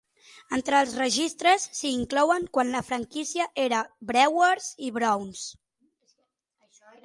Entre els registres s"hi inclouen quan la franquícia era Brewers i Browns.